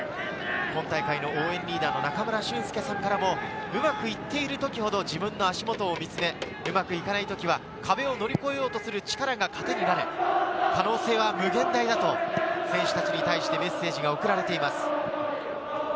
今大会の応援リーダーの中村俊輔さんからも、うまく行ってる時ほど自分の足元を見つめ、うまくいかない時は壁を乗り越えようとする力が糧になる、「可能性は無限大」だと選手たちに対してメッセージが送られています。